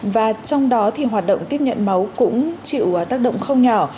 và trong đó thì hoạt động tiếp nhận máu cũng chịu tác động không nhỏ